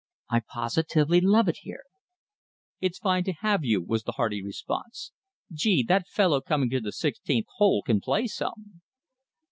I positively love it here." "It's fine to have you," was the hearty response. "Gee, that fellow coming to the sixteenth hole can play some!"